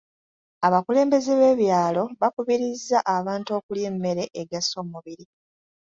Abakulembeze b'ebyalo bakubirizza abantu okulya emmere egasa omubiri.